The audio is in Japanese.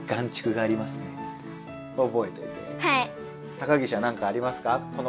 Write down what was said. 高岸はなんかありますか？